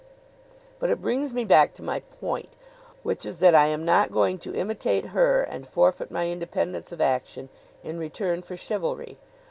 "But it brings me back to my point, which is that I am not going to imitate her and forfeit my independence of action in return for chivalry.